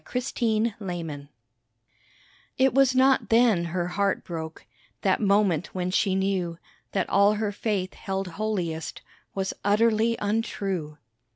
THE APRIL BOUGHS It was not then her heart broke That moment when she knew That all her faith held holiest Was utterly untrue.